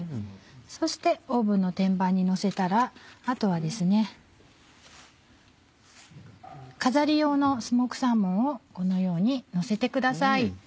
そしてオーブンの天板にのせたらあとはですね飾り用のスモークサーモンをこのようにのせてください。